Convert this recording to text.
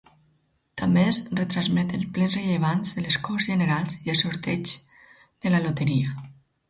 També es retransmeten plens rellevants de les Corts Generals i els sorteigs de la loteria.